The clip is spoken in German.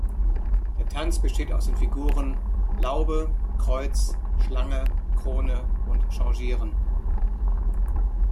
Der Tanz besteht aus den Figuren „Laube“, „Kreuz“, „Schlange“, „Krone“ und „Changieren“.